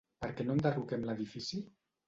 per què no enderroquem l'edifici?